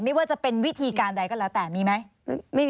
ไม่ว่าจะเป็นวิธีการใดก็แล้วแต่มีไหม